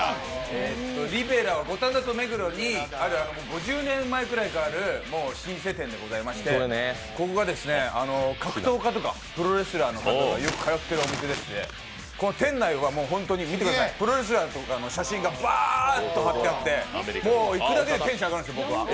リベラは五反田と目黒に５０年ぐらい前からある老舗店でございまして、ここが格闘家とかプロレスラーの方がよく通ってるお店でして、店内はプロレスラーとかの写真がぶわーって貼ってあってもう行くだけでテンション上がるんですよ、僕は。